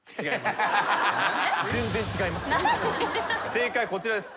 正解こちらです。